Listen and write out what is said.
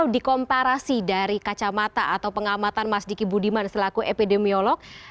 dikomparasi dari kacamata atau pengamatan mas diki budiman selaku epidemiolog